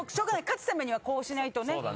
勝つためにはこうしないとね。